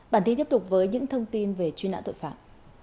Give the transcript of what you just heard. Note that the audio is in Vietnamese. bản tin tiếp tục với những thông tin về truy nã tội phạm